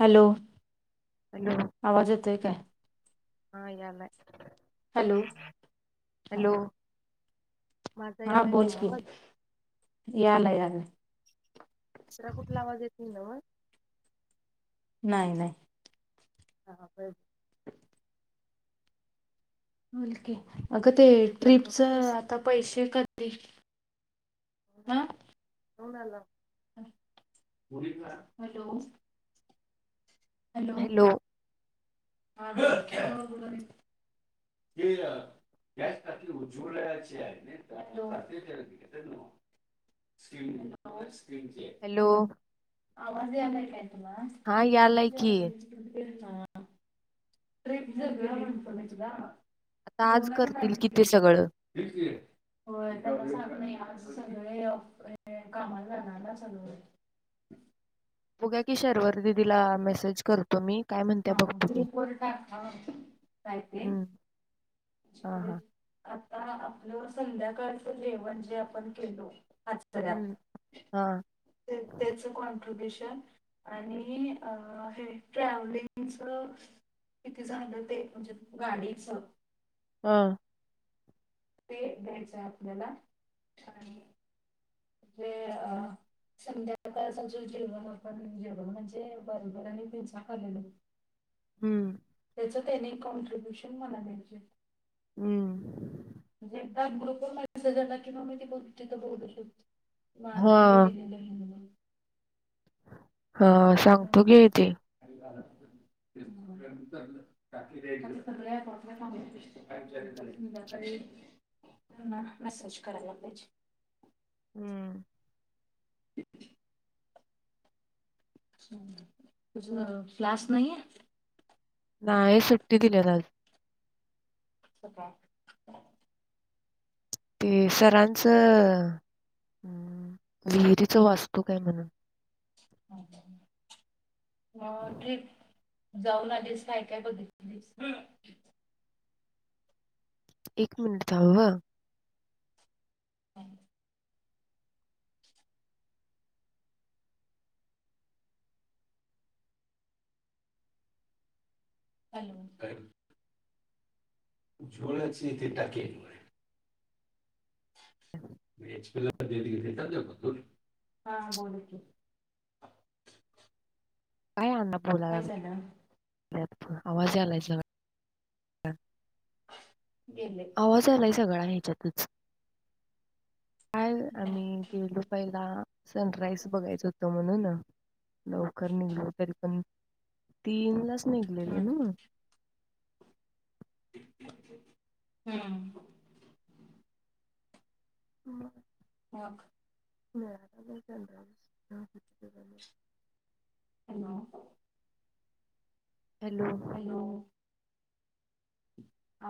Hello. Hello आवाज येतोय काय? हा हॅलो. माझा हा यालाय ना बोल की. आवाज यालायं, यालायं. दुसरा कुठला आवाज येत नाही नव्हं? नाही, नाही. हा. बरं बोल की. अगं ते ट्रिपला ट्रिपच नव्हतीस आता पैसे कधी? आ. कोणाला? हॅलो. Hello hello. ये. हॅलो. हॅलो. हॅलो. आवाज यालाय काय तुला? हा यालाय की. हां. ट्रिप [unintelligible] आता आज मोना का टाईम करतील कि ते घेतलेली. सगळं तेच की, होय. त्यांना सां नाही आज सगळे कामाला जाणार ना सगळे. बघुया की शर्वरीदिदीला मेसेज करतो मी. काय म्हणत्या हा. बघतो की ग्रुपवर टाक ना मग, कायते. हम्म हा ज हा आप आपलं संध्याकाळचं जेवण जे आपण केलो. हम्म [unintelligible] हा तेच कॉट्रब्युश न आणि हे ट्रव्हलिंग तुमच किती झालं ते म्हणजे गाडीच? हा. ते द्यायचं आपल्याला आणि जे अ - - संध्याकाळ जे जेवण होत ना जेवण म्हणजे बर्गर आणि पिझ्झा खालेलो. हम्म. तेच तेनि कॉन्रब्युशन मला द्यायचं. हम्म. म्हणजे एकदा ग्रुपवर मॅसेज आला की मी तिथं बोलु शकतोय. माझ मी हा दिलेलं हिंद- - हा सांगतो घे ते. तेच मग. सगळ्या अकाऊंटला [unintelligible] संध्याकाळी त्यांना मॅसेज करायला पाहिजे. हम्म. [unintelligible] क्लास नाही आहे नाहीय सुट्टी दिल्यात आज [unintelligible] ते सरांच हम्म विहिरीच वास्तूक हाय म्हण [unintelligible] ट्रिप जाऊन आलीस काय काय बघितलीस? एक मिनट थांब हं. हम् हॅलो. [unintelligible] [inaudible] [unintelligible] ह बोल की [inaudible] काय यांना बोलाय काय झालं लागल्यात आवाज आलाय सगळा गेले आवाज आलाय सगळा हेच्यातच. काय आम्ही गेलो पहिला सनराईस बघायच हो त म्हणून लवकर निघलो तरी पण तीनलाच निघलेल हम्म नव्ह. हम्. म मक मिळाला नाही [unintelligible] हॅलो हॅलो हॅलो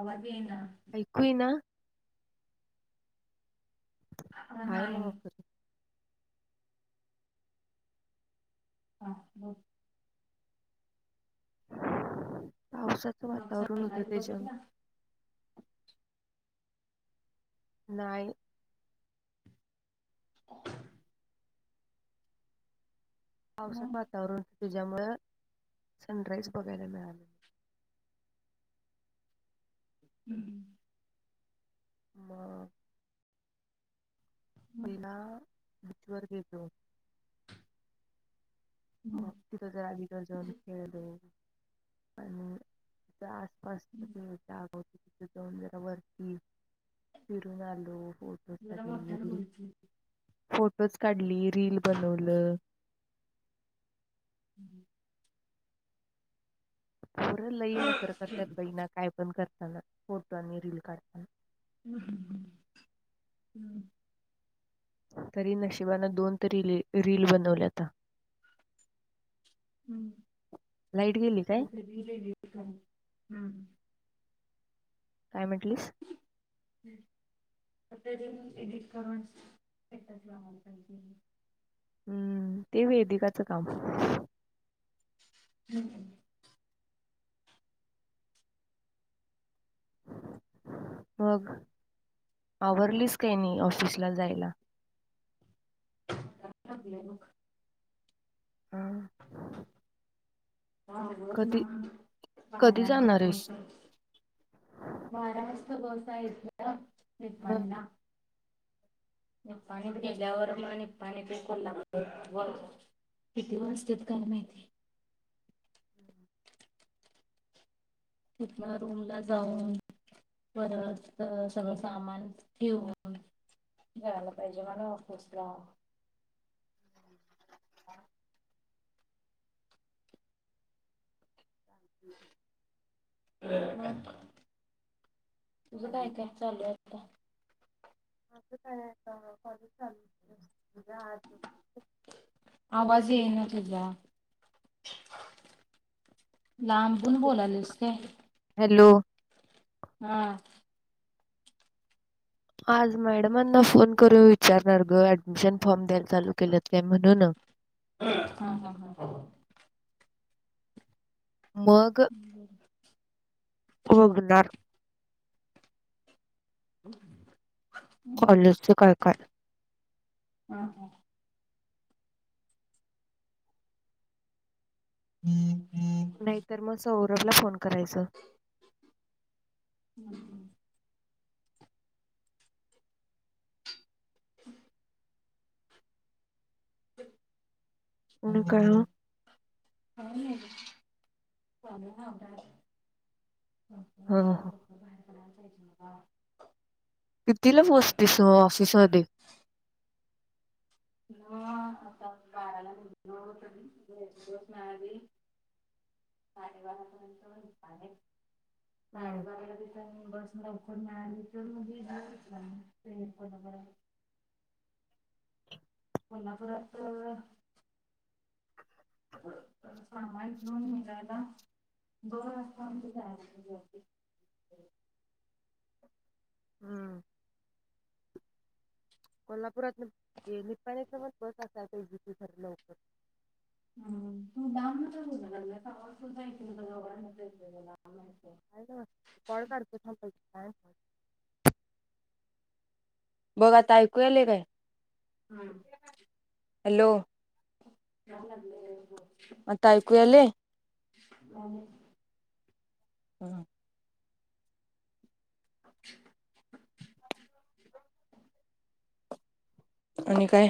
अवाज येईना. ऐकू ना हा काय नाही मग हा बोल पावसाच मग वातावरण होत सकाळी ते जंग बघितला नाही. [unintelligible] मग पावसात वातावरण तुझ्यामुळं सनराईज बघायला मिळाल हम्म मग पहिला बीचवर गेलतो मग हम्म. तिथ जरा बीच वर जाऊन खेळालो आणि जा मस्त जाग होती तिथ जौन जरा वरती फिरून आलो जरा मोठ्यानं बोल की फोटोज काढली रील बनवल हम्म पोरं लई नकर करतात बईना काय पण करता ना फोटो आणि रील काढता हम्म हम् हम हम् तरी नशिबान दोन तरी रील बनवल्या त. हम्म गेली काय हम्म [inaudible] काय म्हटलीस? हम्म [unintelligible] एडिट करून हम्म ते वेदिकाच काम. हुं [inaudible] मग आवरलीस काइनाइ ऑफिसला जायला? [unintelligible] [inaudible] [inaudible] कधी बारा कधी जाणार आहेस? वाजता बस आहे जाऊया हं. निपाणीला निपाणीत गेल्यावर मग निपाणी ते कोल्हापूर किती वाजत्यात काय माहिती हम् तिथन रूम ला जाऊन पर सगळं सामान ठेवून जायला पाहिजे मला ऑफिसला ह [inaudible] तुझं काय काय चालू आता माझं काय आता कॉलेज चालू उद्या आता आवाज येईना तुझा लांबुून बोलालस काय हॅलो हा आज मॅडमांना फोन करून विचारणार ग ऍडमिशन फॉर्म द्यायला चालू केलेत काय म्हणून हा हा हा हम् होघणारणार हम कॉलेजचे काय काय ह ह [unintelligible] नाहीतर मग सौरभला फोन करायचं हम् ह [unintelligible] ते [unintelligible] [inaudible] [unintelligible] [inaudible] हा हा. [unintelligible] [inaudible] कितीला पोचतीस मग ऑफिस मध्ये? ना आता बाराला [unintelligible] साडेबारा पर्यंत, हम्म साडेबाराला तीथ बस लवकर [unintelligible] कोल्हापुरातन सामान घेऊन निघायला [unintelligible] [inaudible] हम्म. कोल्हापुरात निपाणी च्या पण बस असत्यात की [unintelligible] [inaudible] काय कॉड काढतो थांब बाई बघ आता ऐकू यालय काय? हम्! हॅलो? आता ऐकू [unintelligible] यालय? [inaudible] हो. [unintelligible] [inaudible] आणि काय?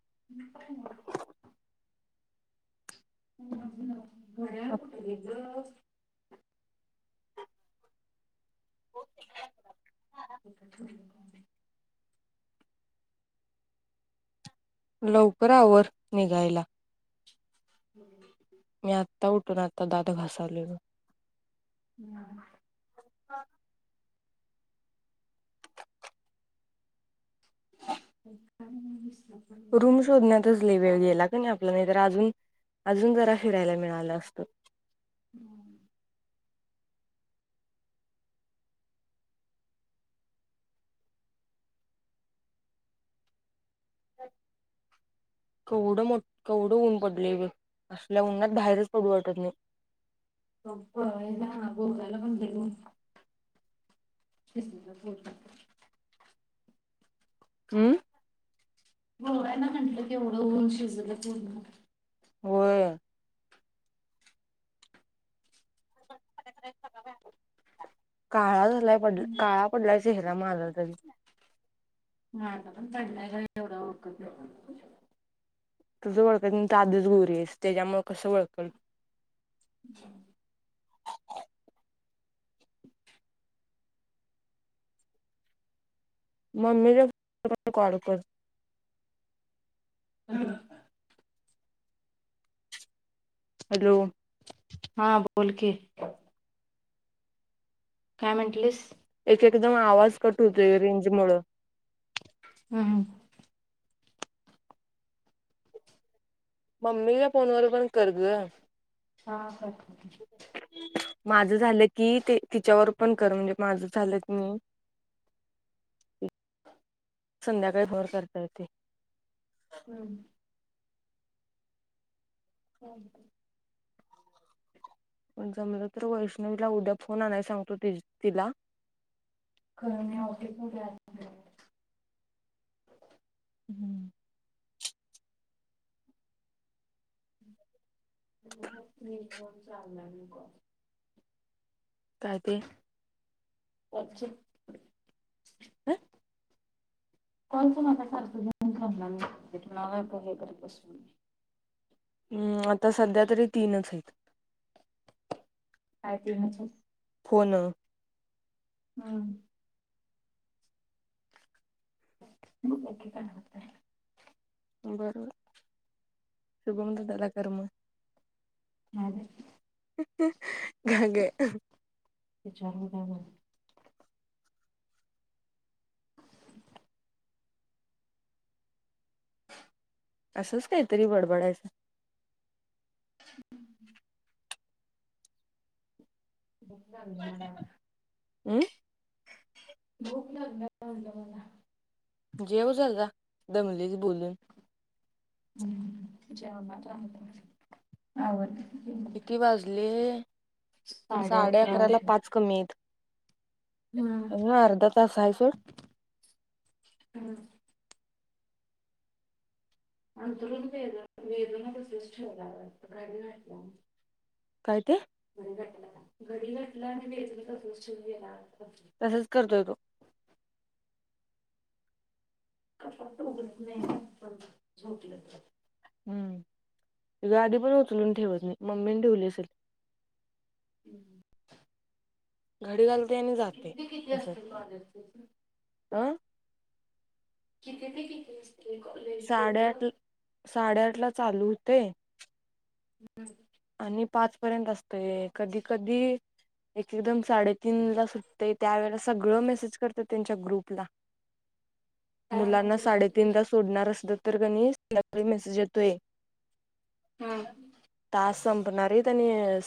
[unintelligible] [inaudible] घड्याळ कुठ गेल? [unintelligible] [inaudible] लवकर आवर निघायला. [inaudible] मी आत्ता उठून आता दात घासलोय बघ. हम्म. काय [unintelligible] लई वेळ गेला क नाही आपला नाहीतर अजून अजून जरा फिरायला मिळालं असत. हम्म. [inaudible] केवढ मोठ केवढं ऊन पडलय बघ. असल्या उन्हात बाहेरच पडू वाटत नाही. गोव्याला गोव्याला पण लई ऊन. [unintelligible] हम्म? गोव्याला म्हटलं केवढं ऊन शिजलं पूर्ण. व्हय. काळा झालाय पड काळा पडलायस. चेहरा माझा तरी. माझा पण पडलाय, खर एवढ ओळखत नाही. तुझं ओळखत नाही तू आधीच गोरी आहेस, त्याच्यामुळ कसं ओळखल? [inaudible] [inaudible] मम्मीला कॉल कर. हां. हॅलो? हां बोल की काय म्हंटलीस? एक एकदम आवाज कट होतोय रेंज मुळ. हम्म मम्मी ला फोनवर पण कर ग. हां करते. माझं झालं की ते तिच्यावर पण कर म्हणजे माझं झालं क नई संध्याकाळी भर करता येते. हम्म हो पण जमलं तर वैष्णवीला उद्या फोन आणाय सांगतो ति तिला. खरं नाही [unintelligible] [unintelligible] काय ते वॉट्स अप काय [inaudible] कॉल कोणाच सारखं घेत बसणार नाही [unintelligible] हम्म आता सध्या तरी तीनच आहेत. [unintelligible] फोन हम्म बघुया की काय होतय. बरोबर शुभम दादाला कर मग. नाई बाई. का ग? विचारू काय म्हण असंच काहीतरी बडबडायचं बंग घडा अं भूक लागल म्हलं मला जेव जला दमलीच बोलून जा आव किती वाजले साडे अकरा ला पाच कमी आहेत हम्म. अ अर्धा तास आहेय सोट अंतुून व व प्रि काय ते ग ग घला वे प्रू तसच करतोय तो कपडोगत नाही पण झोपलं हम्म गाडी पण उचलून ठेवत मी मम्मीने ठेवली असेल हम्म घडी घालते आणि जाते तस असते कॉलेज अ कितीेत किती असते कॉलेज त्याचं साडेआठ साडेआठ ला चालू होते हम्म आणि पाच पर्यंत असतय कधी कधी एक एकदम साडेतीीन ला सुटते त्यावेेळे सगळं मेसेज करत त्यांच्या ग्रुपला [inaudible] [inaudible] मुलांना मेसेज साडेतीनदा सोडणार असलं तर गनीि सकळी मेसेज येतोय हम्म तास संपणार त्यांनी